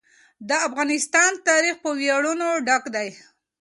د افغانستان تاریخ په ویاړونو ډک دی.